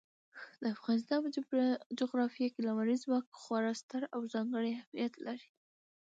د افغانستان په جغرافیه کې لمریز ځواک خورا ستر او ځانګړی اهمیت لري.